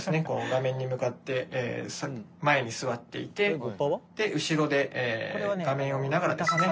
画面に向かって前に座っていて後ろで画面を見ながらですね